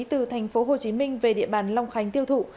từ tp hcm về địa bàn long khánh tiêu thụ